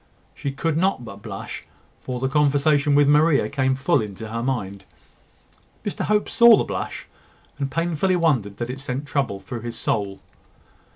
She could not but blush; for the conversation with Maria came full into her mind. Mr Hope saw the blush, and painfully wondered that it sent trouble through his soul.